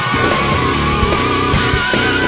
ดีดี